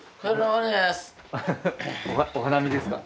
お花見ですか？